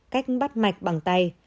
cách bắt mạch bằng tay